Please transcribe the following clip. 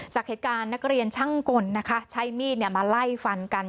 จากเหตุการณ์นักเรียนช่างกลนะคะใช้มีดมาไล่ฟันกัน